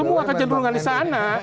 semua kecenderungan di sana